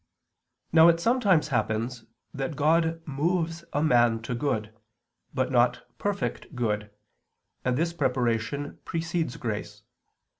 Now it sometimes happens that God moves a man to good, but not perfect good, and this preparation precedes grace.